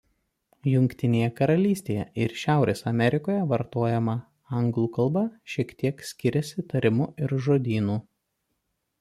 Jungtinėje Karalystėje ir Šiaurės Amerikoje vartojama anglų kalba šiek tiek skiriasi tarimu ir žodynu.